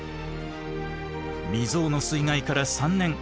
未曽有の水害から３年。